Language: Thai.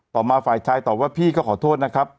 ต่อมาฝ่ายชายตอบว่าพี่ก็ขอโทษนะครับ